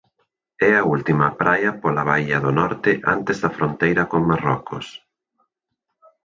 É a última praia pola baía do norte antes da fronteira con Marrocos.